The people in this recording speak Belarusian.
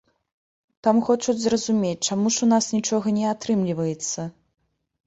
Там хочуць зразумець, чаму ж у нас нічога не атрымліваецца?